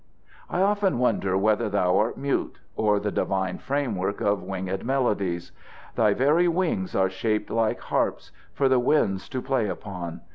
I often wonder whether thou art mute, or the divine framework of winged melodies. Thy very wings are shaped like harps for the winds to play upon.